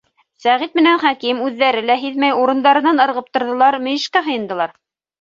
Сәғит менән Хәким үҙҙәре лә һиҙмәй урындарынан ырғып торҙолар, мөйөшкә һыйындылар.